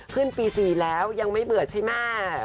ขึ้นปี๔แล้วยังไม่เบื่อใช่ไหม